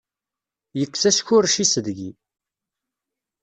Yekkes askurec-is deg-i.